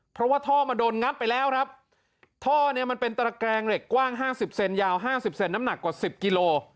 เพราะว่าท่อมันโดนงัดไปแล้วครับท่อเนี่ยมันเป็นตระแกรงเหล็กกว้างห้าสิบเซนยาวห้าสิบเซนน้ำหนักกว่าสิบกิโล